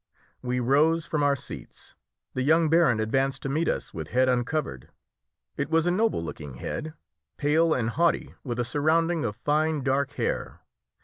We rose from our seats. The young baron advanced to meet us with head uncovered. It was a noble looking head, pale and haughty, with a surrounding of fine dark hair.